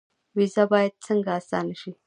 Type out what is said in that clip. ویزه باید څنګه اسانه شي؟